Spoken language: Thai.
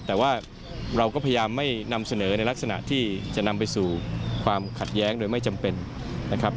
แต่ว่าเราก็พยายามไม่นำเสนอในลักษณะที่จะนำไปสู่ความขัดแย้งโดยไม่จำเป็นนะครับ